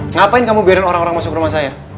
ngapain kamu biarin orang orang masuk rumah saya